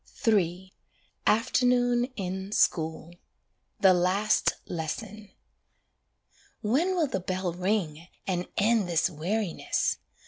III =Afternoon in School= THE LAST LESSON When will the bell ring, and end this weariness?